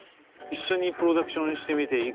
一緒にプロダクションしてみていかがでした？